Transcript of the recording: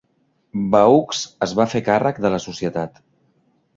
Vaux es va fer càrrec de la societat.